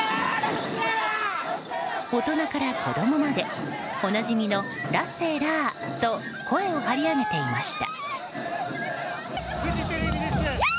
大人から子供までおなじみのラッセラーと声を張り上げていました。